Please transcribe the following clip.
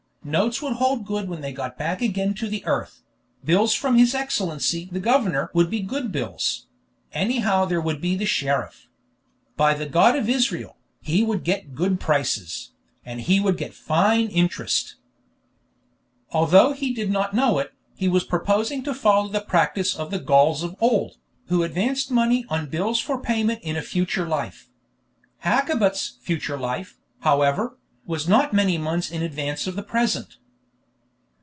Notes would hold good when they got back again to the earth; bills from his Excellency the governor would be good bills; anyhow there would be the sheriff. By the God of Israel! he would get good prices, and he would get fine interest! Although he did not know it, he was proposing to follow the practice of the Gauls of old, who advanced money on bills for payment in a future life. Hakkabut's "future life," however, was not many months in advance of the present.